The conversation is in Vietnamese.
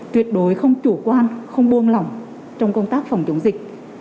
tuyệt đối không chủ quan không buông lỏng trong công tác phòng chống dịch